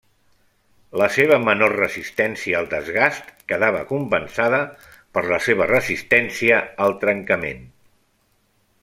La seva menor resistència al desgast quedava compensada per la seva resistència al trencament.